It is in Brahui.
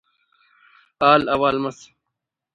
حال احوال مس